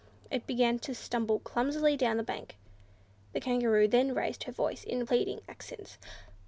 It began to stumble clumsily down the bank. The Kangaroo then raised her voice in pleading accents.